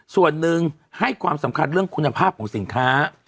ส่วนหนึ่งให้ความสำคัญเรื่องคุณภาพของสินค้า